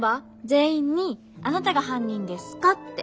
全員に「あなたが犯人ですか？」って。